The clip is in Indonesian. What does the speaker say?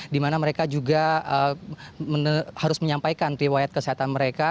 dimana mereka juga harus menyampaikan riwayat kesehatan mereka